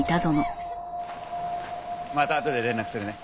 またあとで連絡するね。